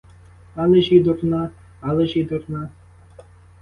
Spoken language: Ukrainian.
Але ж і дурна, але ж і дурна!